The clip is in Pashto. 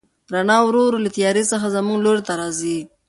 رڼا ورو ورو له تیارې څخه زموږ لوري ته راځي.